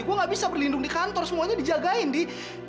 gue gak bisa berlindung di kantor semuanya dijagain di